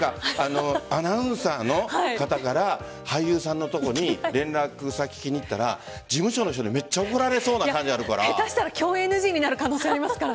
アナウンサーの方から俳優さんのところに連絡先、聞きに行ったら事務所の人にめっちゃ下手したら共演ＮＧになる可能性ありますから。